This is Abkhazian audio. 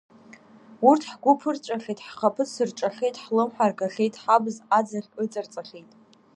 Уырҭ ҳгәы ԥырҵәахьеит, ҳхаԥыц рҿахьеит, ҳлымҳа ргахьеит, ҳабз аӡаӷь ыҵарҵахьеит.